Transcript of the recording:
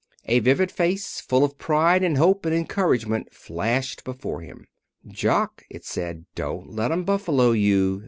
A vivid face, full of pride, and hope, and encouragement flashed before him. "Jock," it said, "don't let 'em buffalo you.